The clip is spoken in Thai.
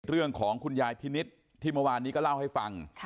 คุณยายพินิษฐ์ที่เมื่อวานนี้ก็เล่าให้ฟัง